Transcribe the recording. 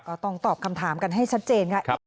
ก็ต้องตอบคำถามกันให้ชัดเจนค่ะ